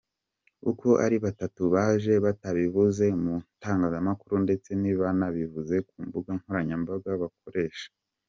Uko ari batatu, baje batabivuze mu itangazamakuru ndetse ntibanabivuze ku mbuga nkoranyambaga bakoresha.